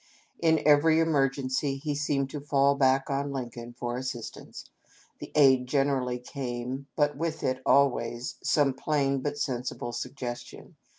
In every emer gency he seemed to fall back on Lincoln for assistance. The aid generally came, but with it always some plain but sensible suggestion.